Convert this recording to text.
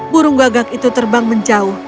burung gagak itu terbang menjauh